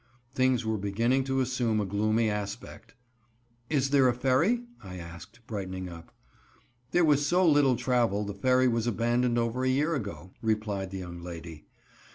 Things were beginning to assume a gloomy aspect. "Is there a ferry?" I asked, brightening up. "There was so little travel the ferry was abandoned over a year ago," replied the young lady.